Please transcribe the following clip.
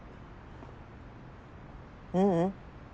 ううん。